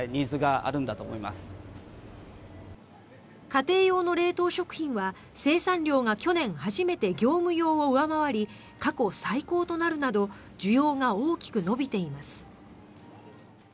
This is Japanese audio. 家庭用の冷凍食品は、生産量が去年初めて業務用を上回り過去最高となるなど需要が大きく伸びています。